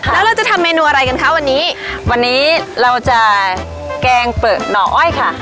แล้วเราจะทำเมนูอะไรกันคะวันนี้วันนี้เราจะแกงเปลือกหน่ออ้อยค่ะ